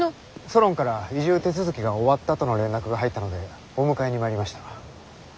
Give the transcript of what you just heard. ソロンから移住手続きが終わったとの連絡が入ったのでお迎えに参りました。